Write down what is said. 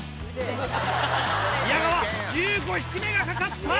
宮川１５匹目がかかった！